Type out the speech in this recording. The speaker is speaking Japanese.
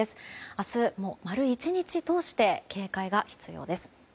明日、丸１日通して警戒が必要です。